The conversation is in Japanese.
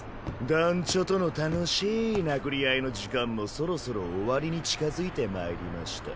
団ちょとの楽しい殴り合いの時間もそろそろ終わりに近づいてまいりました。